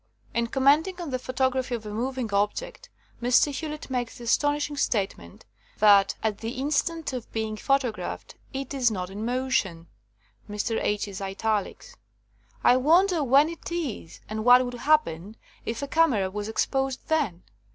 ''In commenting on the photography of a moving object, Mr. Hewlett makes the as tonishing statement that at the instant of being photographed it is not in motion (Mr. H. 's italics) . I wonder when it is, and what would happen if a camera was ex posed then!